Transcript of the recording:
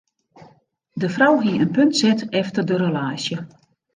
De frou hie in punt set efter de relaasje.